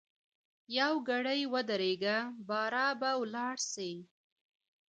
یوګړی ودریږه باره به ولاړ سی.